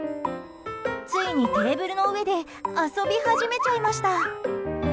ついにテーブルの上で遊び始めちゃいました。